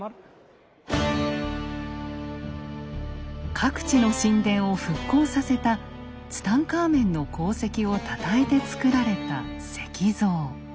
各地の神殿を復興させたツタンカーメンの功績をたたえてつくられた石像。